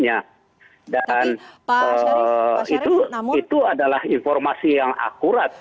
jadi itu adalah informasi yang akurat